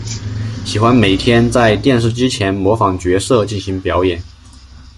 喜欢每天在电视机前模仿角色进行表演。